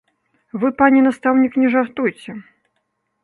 Вы, пане настаўнік, не жартуйце.